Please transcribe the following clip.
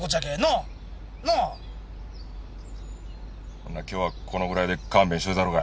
ほな今日はこのぐらいで勘弁しといたろか。